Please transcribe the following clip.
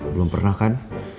belum pernah kan